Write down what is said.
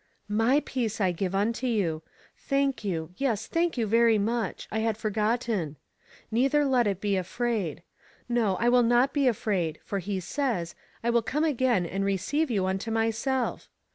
"' My peace I give unto you.' Thank you — yes, thank you very much ; I had forgotten. ' Neither let it be afraid.' No, I will not be afraid, for he says, ' I will come again and receive you unto myself.'